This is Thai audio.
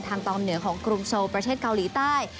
ตอนเหนือของกรุงโซลประเทศเกาหลีใต้